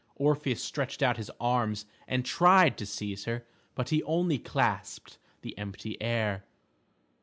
Orpheus stretched out his arms and tried to seize her, but he only clasped the empty air.